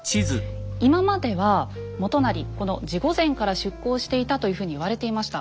今までは元就この地御前から出港していたというふうに言われていました。